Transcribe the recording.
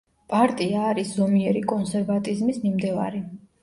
პარტია არის ზომიერი კონსერვატიზმის მიმდევარი.